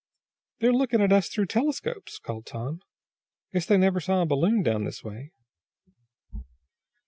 "They're looking at us through telescopes," called Tom. "Guess they never saw a balloon down this way."